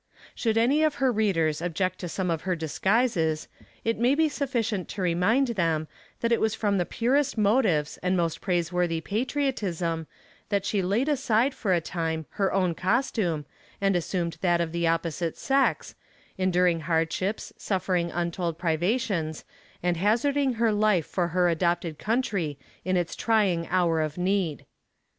Should any of her readers object to some of her disguises, it may be sufficient to remind them it was from the purest motives and most praiseworthy patriotism, that she laid aside, for a time, her own costume, and assumed that of the opposite sex, enduring hardships, suffering untold privations, and hazarding her life for her adopted country, in its trying hour of need.